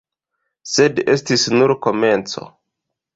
Sed estis nur komenco.